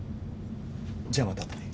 じゃあまたあとで。